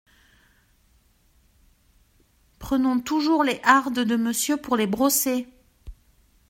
Prenons toujours les hardes de Monsieur pour les brosser !…